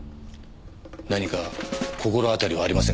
何か心当たりはありませんか？